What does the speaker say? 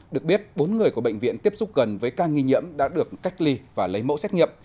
được biết bốn người của bệnh viện tiếp xúc gần với ca nghi nhiễm đã được cách ly và lấy mẫu xét nghiệm